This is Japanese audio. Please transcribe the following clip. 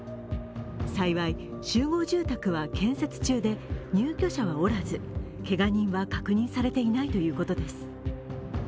幸い集合住宅は建設中で入居者はおらずけが人は確認されていないということです。